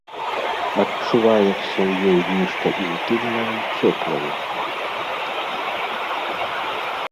Адчуваецца ў ёй нешта інтымнае, цёплае.